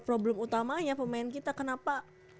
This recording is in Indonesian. problem utamanya pemain kita kenapa